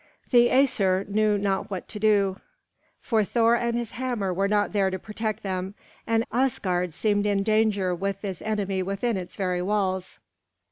The Æsir knew not what to do, for Thor and his hammer were not there to protect them, and Asgard seemed in danger with this enemy within its very walls.